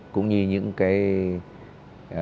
cũng như những cái kết quả của công tác thanh tra